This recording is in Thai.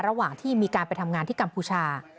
ระหว่างที่มีการไปทำงานที่กัมพูชา